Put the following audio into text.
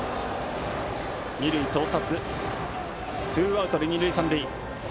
二塁へ到達してツーアウト二塁三塁。